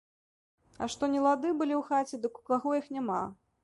А што нелады былі ў хаце, дык у каго іх няма.